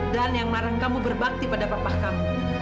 yang melarang kamu berbakti pada papa kamu